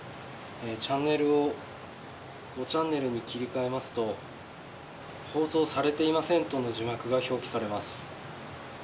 チャンネルを５チャンネルに切り替えますと放送されていませんとの字幕が表記されます。